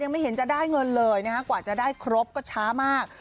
ไม่เห็นจะได้เงินเลยนะฮะกว่าจะได้ครบก็ช้ามาก